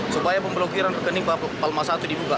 supaya pemblokiran rekening palma i dibuka